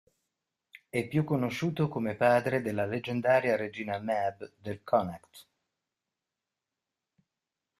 È più conosciuto come padre della leggendaria regina Medb del Connacht.